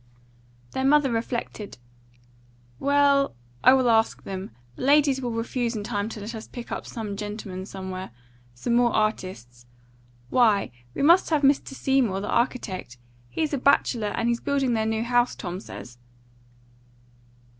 Their mother reflected. "Well, I will ask them. The ladies will refuse in time to let us pick up some gentlemen somewhere; some more artists. Why! we must have Mr. Seymour, the architect; he's a bachelor, and he's building their house, Tom says."